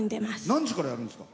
何時からやるんですか？